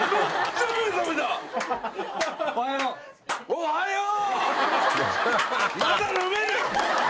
おはよう！